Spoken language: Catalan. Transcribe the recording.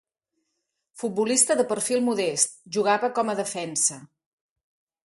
Futbolista de perfil modest, jugava com a defensa.